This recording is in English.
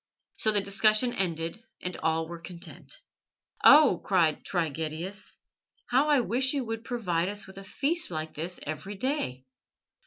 So the discussion ended, and all were content. "Oh," cried Trigetius, "how I wish you would provide us with a feast like this every day!"